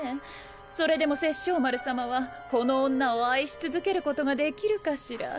それでも殺生丸さまはこの女を愛し続けることが出来るかしら？